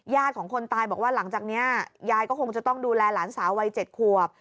ของคนตายบอกว่าหลังจากนี้ยายก็คงจะต้องดูแลหลานสาววัย๗ขวบ